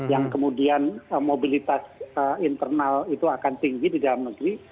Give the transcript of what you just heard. yang kemudian mobilitas internal itu akan tinggi di dalam negeri